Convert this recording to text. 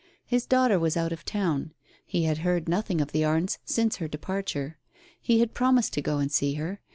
His daughter was out of town. He had heard nothing of the Arnes since her departure. He had promised to go and see her.